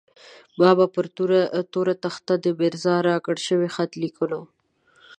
ما به پر توره تخته د ميرزا راکړل شوی خط ليکلو.